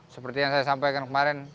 seperti yang saya sampaikan kemarin